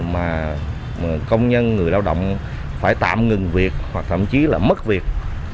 mà công nhân người lao động phải tạm ngừng việc hoặc thậm chí là mất việc